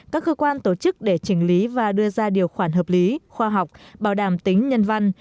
các cơ quan tổ chức để chỉnh lý và đưa ra điều khoản hợp lý khoa học bảo đảm tính nhân văn